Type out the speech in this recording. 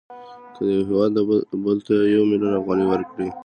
که یو هېواد بل ته یو میلیون افغانۍ ورکړي